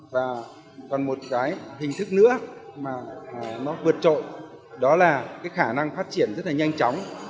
và còn một cái hình thức nữa mà nó vượt trội đó là cái khả năng phát triển rất là nhanh chóng